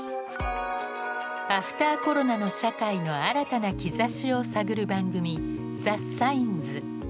アフターコロナの社会の新たな兆しを探る番組「ＴｈｅＳｉｇｎｓ」。